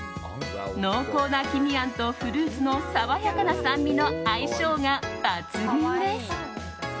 濃厚な黄身あんとフルーツの爽やかな酸味の相性が抜群です。